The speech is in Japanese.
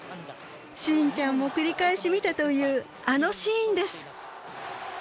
信ちゃんも繰り返し見たというあのシーンです。